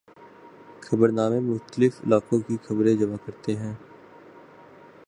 خبرنامے مختلف علاقوں کی خبریں جمع کرتے ہیں۔